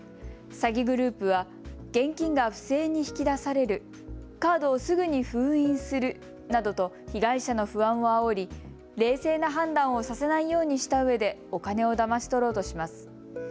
詐欺グループは現金が不正に引き出される、カードをすぐに封印するなどと被害者の不安をあおり、冷静な判断をさせないようにしたうえでお金をだまし取ろうとします。